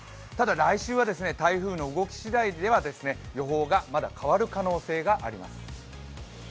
ただ来週は台風の動きしだいでは予報がまだ変わる可能性があります。